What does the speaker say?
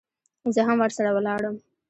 زه هم ورسره ولاړم.